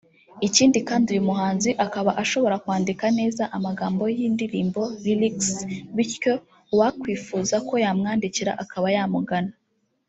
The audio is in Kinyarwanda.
Ikindi kandi uyu muhanzi akaba ashobora kwandika neza amagambo y’indirimbo (Lyrics) bityo uwakwifuza ko yamwandikira akaba yamugana